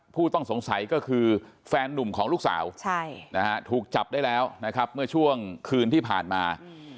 ผู้ต้องสงสัยก็คือแฟนนุ่มของลูกสาวถูกจับได้แล้วนะครับเมื่อช่วงคืนที่ผ่านมา